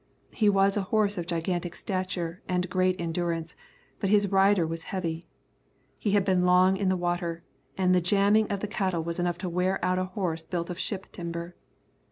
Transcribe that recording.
He was a horse of gigantic stature and great endurance, but his rider was heavy. He had been long in the water, and the jamming of the cattle was enough to wear out a horse built of ship timber.